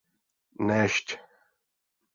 Nešť!